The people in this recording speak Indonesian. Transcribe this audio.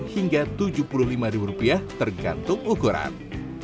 hingga rp tujuh puluh lima tergantung ukuran